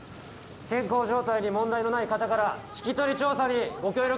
健康状態に問題のない方から聞き取り調査にご協力